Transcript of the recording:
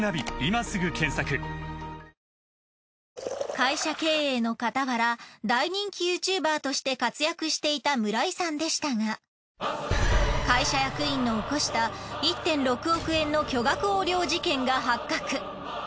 会社経営の傍ら大人気ＹｏｕＴｕｂｅｒとして活躍していたむらいさんでしたが会社役員の起こした１．６億円の巨額横領事件が発覚。